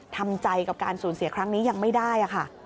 ทำใจกับการสูญเสียครั้งนี้ยังไม่ได้ค่ะ